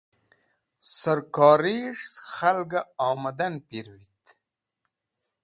Sarkoryes̃h skẽ khalg-e omdan pirvit.